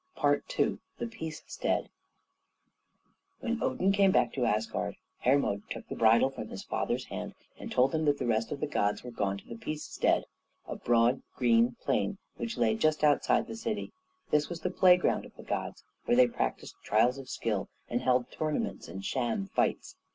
II THE PEACESTEAD When Odin came back to Asgard, Hermod took the bridle from his father's hand and told him that the rest of the gods were gone to the Peacestead a broad, green plain which lay just outside the city. This was the playground of the gods, where they practised trials of skill and held tournaments and sham fights.